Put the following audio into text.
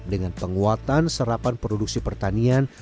dengan penguatan serapan produksi pertanian